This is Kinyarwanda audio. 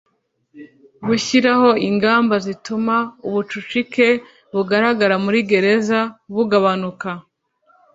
gushyiraho ingamba zituma ubucucike bugaragara muri gereza bugabanuka